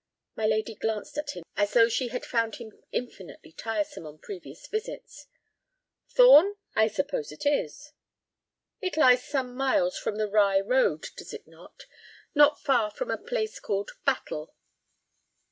My lady glanced at him as though she had found him infinitely tiresome on previous visits. "Thorn? I suppose it is." "It lies some miles from the Rye road, does it not—not far from a place called Battle?"